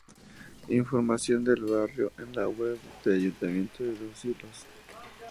Información del barrio en la web del Ayuntamiento de Los Silos